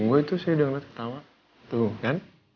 gue itu saya udah ngeliat ketawa tuh kan